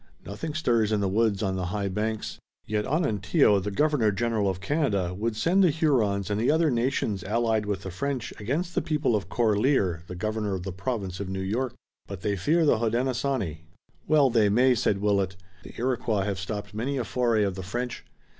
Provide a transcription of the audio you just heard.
Nothing stirs in the woods on the high banks. Yet Onontio (the Governor General of Canada) would send the Hurons and the other nations allied with the French against the people of Corlear (the Governor of the Province of New York). But they fear the Hodenosaunee." "Well they may!" said Willet. "The Iroquois have stopped many a foray of the French.